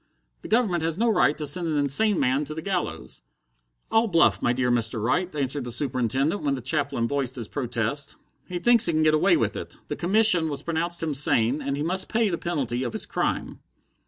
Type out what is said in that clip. The Government has no right to send an insane man to the gallows." "All bluff, my dear Mr. Wright," answered the Superintendent, when the chaplain voiced his protest. "He thinks he can get away with it. The commission has pronounced him sane, and he must pay the penalty of his crime."